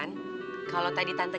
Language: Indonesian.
tante kalau tadi aku lihat